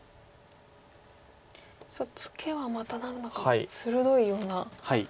ツケはまた何だか鋭いような。